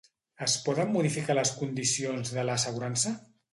Es poden modificar les condicions de l'assegurança?